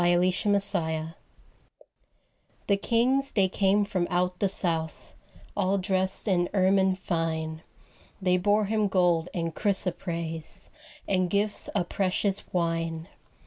Christmas Carol The kings they came from out the south, All dressed in ermine fine, They bore Him gold and chrysoprase, And gifts of precious wine.